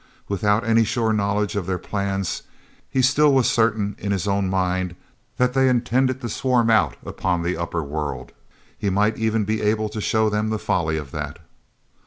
Without any sure knowledge of their plans, he still was certain in his own mind that they intended to swarm out upon the upper world. He might even be able to show them the folly of that.